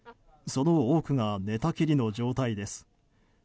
その多くが寝たきりの状態です。